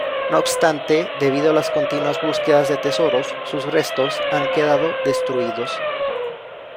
No obstante, debido a las continuas búsquedas de tesoros, sus restos han quedado destruidos.